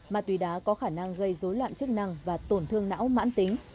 ma túy đá có khả năng gây dối loạn chức năng và tổn thương não mãn tính